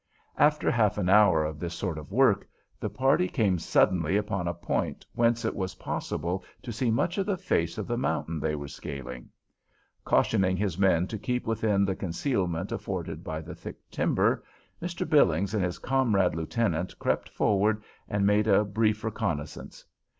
After half an hour of this sort of work, the party came suddenly upon a point whence it was possible to see much of the face of the mountain they were scaling. Cautioning his men to keep within the concealment afforded by the thick timber, Mr. Billings and his comrade lieutenant crept forward and made a brief reconnoissance.